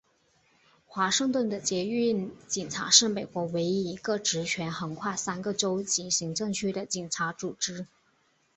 华盛顿的捷运警察是美国唯一一个职权横跨三个州级行政区的警察组织。